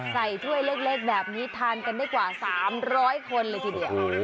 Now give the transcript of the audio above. ถ้วยเล็กแบบนี้ทานกันได้กว่า๓๐๐คนเลยทีเดียว